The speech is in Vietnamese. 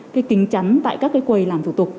cái kính chắn tại các cái quầy làm thủ tục